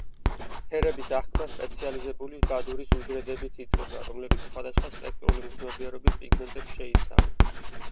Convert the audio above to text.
ფერების აღქმა სპეციალიზებული ბადურის უჯრედებით იწყება, რომლებიც სხვადასხვა სპექტრული მგრძნობიარობის პიგმენტებს შეიცავენ.